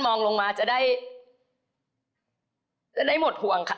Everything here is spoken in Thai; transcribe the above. พี่เบสอยากจะฝากอะไรถึงทุกคนในช่วงท้าย